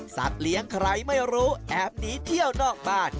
เลี้ยงใครไม่รู้แอบหนีเที่ยวนอกบ้าน